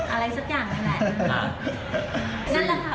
อะไรสักอย่างนั่นแหละ